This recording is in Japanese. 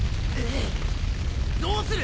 どうする！？